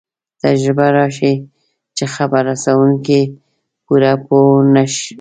تجربه راښيي چې خبر رسوونکی پوره پوه نه وي.